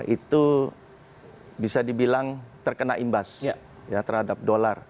itu bisa dibilang terkena imbas terhadap dolar